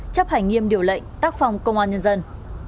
chấp hành nghiêm điều lệnh tác phòng công an nhân dân